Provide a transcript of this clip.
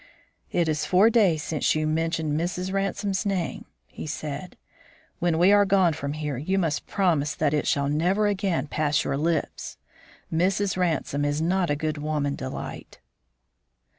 "It is four days since you mentioned Mrs. Ransome's name," he said. "When we are gone from here you must promise that it shall never again pass your lips. Mrs. Ransome is not a good woman, Delight."